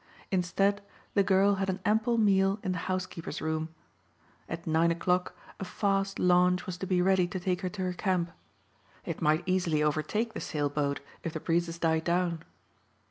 Instead the girl had an ample meal in the housekeeper's room. At nine o'clock a fast launch was to be ready to take her to her camp. It might easily overtake the sail boat if the breezes died down.